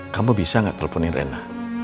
kamu bisa gak telponin rena